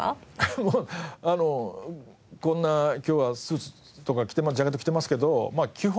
あのこんな今日はスーツとかジャケット着てますけど基本